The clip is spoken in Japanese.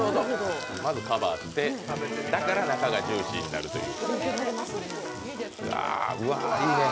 まずカバーして、だから中がジューシーになるという。